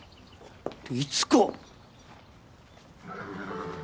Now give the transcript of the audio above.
律子！